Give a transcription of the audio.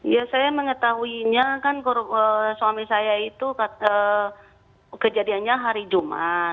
ya saya mengetahuinya kan suami saya itu kejadiannya hari jumat